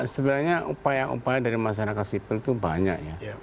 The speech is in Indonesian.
sebenarnya upaya upaya dari masyarakat sipil itu banyak ya